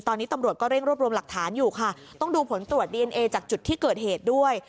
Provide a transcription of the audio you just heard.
ตอนนี้ตำรวจก็เร่งรวบรวมหลักฐานอยู่ค่ะต้องดูผลตรวจดีเอนเอจากจุดที่เกิดเหตุด้วย